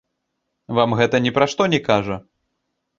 Вам гэта ні пра што не кажа?